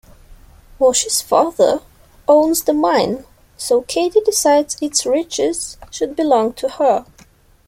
Wash's father owns the mine, so Kady decides its riches should belong to her.